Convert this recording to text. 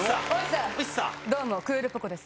どうもクールポコ。です。